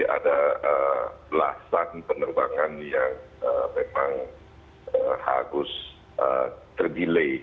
ada belasan penerbangan yang memang harus ter delay